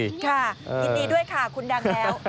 ยินดีด้วยค่ะคุณดังแล้ว